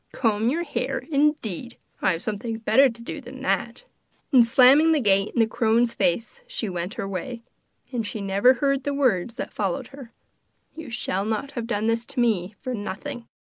'Comb your hair, indeed! I have something better to do than that!' And slamming the gate in the crone's face she went her way. And she never heard the words that followed her: 'You shall not have done this to me for nothing!